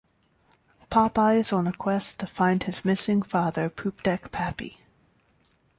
Popeye is on a quest to find his missing father Poopdeck Pappy.